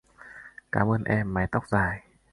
Cảm ơn em mái tóc dài